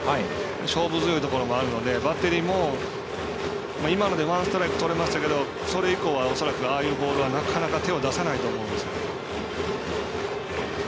勝負強いところもあるのでバッテリーも今のでワンストライクとりましたけどそれ以降は恐らくああいうボールはなかなか手を出さないと思います。